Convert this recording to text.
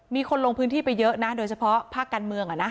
มีคนลงพื้นที่ไปเยอะนะโดยเฉพาะภาคการเมือง